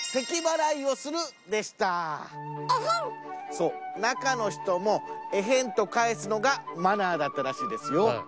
そう中の人もエヘンと返すのがマナーだったらしいですよ。